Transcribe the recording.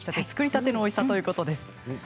作りたてのおいしさということです。